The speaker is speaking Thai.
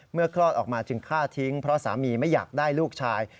คลอดออกมาจึงฆ่าทิ้งเพราะสามีไม่อยากได้ลูกชาย